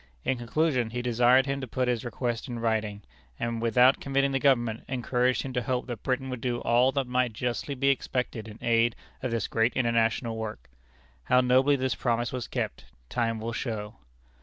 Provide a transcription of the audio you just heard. In conclusion, he desired him to put his request in writing, and, without committing the Government, encouraged him to hope that Britain would do all that might justly be expected in aid of this great international work. How nobly this promise was kept, time will show.